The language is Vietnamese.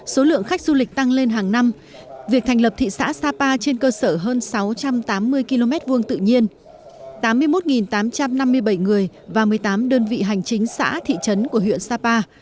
số lượng khách du lịch tăng lên hàng năm việc thành lập thị xã sapa trên cơ sở hơn sáu trăm tám mươi km hai tự nhiên tám mươi một tám trăm năm mươi bảy người và một mươi tám đơn vị hành chính xã thị trấn của huyện sapa